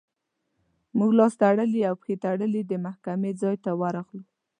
موږ لاس تړلي او پښې تړلي د محکمې ځای ته ورغلو.